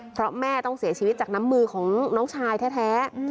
เพราะแม่ต้องเสียชีวิตจากน้ำมือของน้องชายแท้